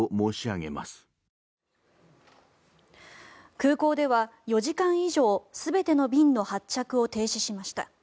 空港では４時間以上全ての便の発着を停止しました。